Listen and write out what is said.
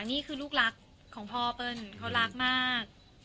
นี่คือลูกรักของพ่อเปิ้ลเขารักมาก